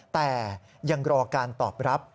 แต่ยังรอการตอบรับ